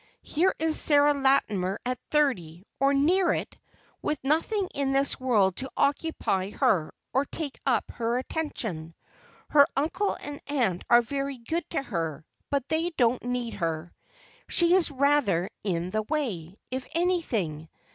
Here is Sarah Latimer at thirty, or near it, with nothing in this world to occupy her, or take up her attention. Her uncle and aunt are very good to her, but they don't need her—she is rather in the way, if anything.